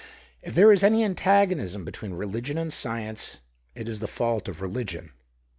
If there is any antagonism between religion and science, it is the fault of religion.